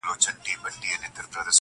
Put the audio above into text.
کښتي وان ویل مُلا صرفي لا څه دي-